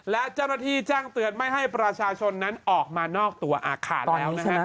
และเจ้าหน้าที่แจ้งเตือนไม่ให้ประชาชนนั้นออกมานอกตัวอาคารแล้วนะฮะ